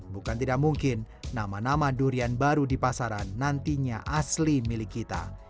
bukan tidak mungkin nama nama durian baru di pasaran nantinya asli milik kita